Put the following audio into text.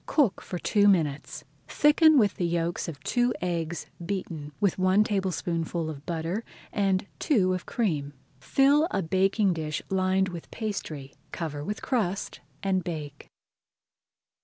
Cook for two minutes. Thicken with the yolks of two eggs beaten with one tablespoonful of butter and two of cream. Fill a baking dish lined with pastry, cover with crust, and bake.